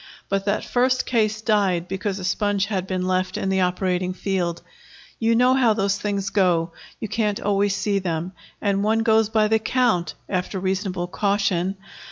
But that first case died because a sponge had been left in the operating field. You know how those things go; you can't always see them, and one goes by the count, after reasonable caution.